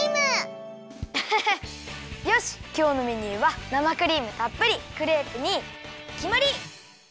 アハハよしきょうのメニューは生クリームたっぷりクレープにきまり！